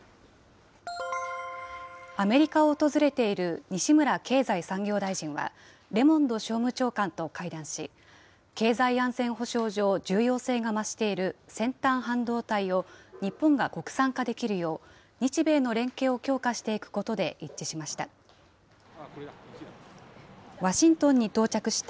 アメリカを訪れている西村経済産業大臣は、レモンド商務長官と会談し、経済安全保障上、重要性が増している先端半導体を日本が国産化できるよう、日米の連携を強化していくことで一致しました。